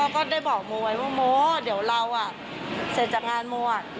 ก็ได้บอกโมไว้ว่าโมเดี๋ยวเราเสร็จจากงานโมอ่ะ